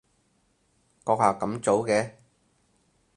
閣下咁早嘅？